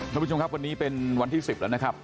ท่านผู้ชมครับวันนี้เป็นวันที่๑๐แล้วนะครับ